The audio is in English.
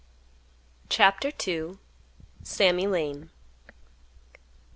CHAPTER II. SAMMY LANE.